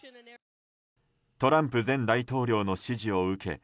トランプ前大統領の支持を受け